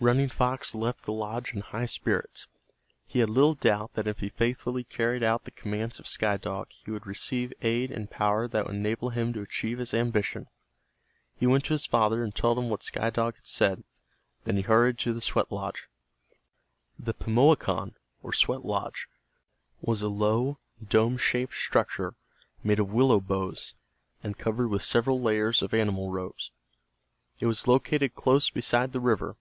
Running Fox left the lodge in high spirits. He had little doubt that if he faithfully carried out the commands of Sky Dog he would receive aid and power that would enable him to achieve his ambition. He went to his father and told him what Sky Dog had said. Then he hurried to the sweat lodge. The Pimoakan, or sweat lodge, was a low, dome shaped structure made of willow boughs, and covered with several layers of animal robes. It was located close beside the river.